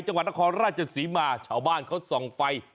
จังหวัดนครราชศรีมาชาวบ้านเขาส่องไฟ